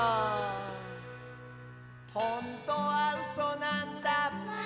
「ほんとはうそなんだ」